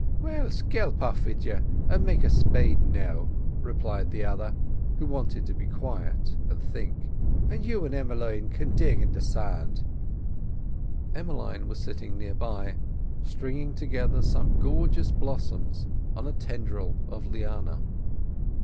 "Well, skelp off with you, and make a spade now," replied the other, who wanted to be quiet and think, "and you and Em'line can dig in the sand." Emmeline was sitting near by, stringing together some gorgeous blossoms on a tendril of liana.